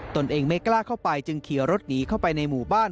ตนเองไม่กล้าเข้าไปจึงเขียวรถหนีเข้าไปในหมู่บ้าน